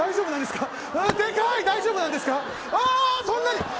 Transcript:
そんなに。